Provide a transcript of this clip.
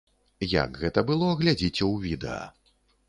Як гэта было, глядзіце ў відэа.